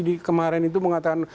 di kemarin itu mengatakan